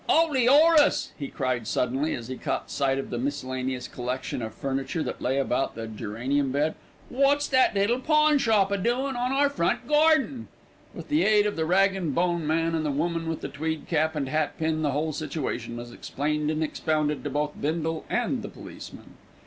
"'Oly 'Orace," he cried suddenly, as he caught sight of the miscellaneous collection of furniture that lay about the geranium bed. "What's that little pawnshop a doin' on our front garden?" With the aid of the rag and bone man and the woman with the tweed cap and hat pin, the whole situation was explained and expounded to both Bindle and the policeman.